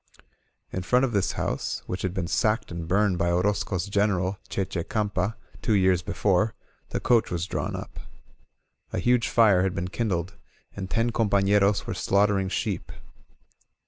In front of this house, which had been sacked and burned by Orozco's General, Che Che Campa, two years before, the coach was drawn up. A huge fire had been kindled, and ten compafleros were slaughtering sheep.